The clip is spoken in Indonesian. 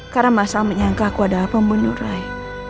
karena mas al menyangka aku adalah pembunuh rai